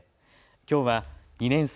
きょうは２年生